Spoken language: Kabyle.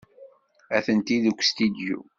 Atenti deg ustidyu.